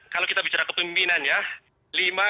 kalau kita bicara kepemimpinan ya